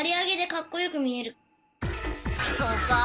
そうか？